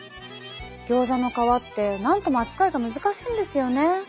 ギョーザの皮ってなんとも扱いが難しいんですよね。